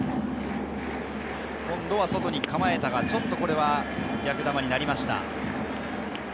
今度は外に構えたが、ちょっと逆球になりました。